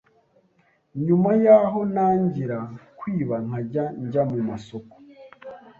Nyuma yaho ntangira kwiba nkajya njya mu masoko